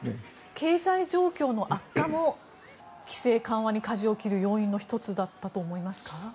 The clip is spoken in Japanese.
経済状況の悪化も規制緩和にかじを切る要因の１つだったと思いますか。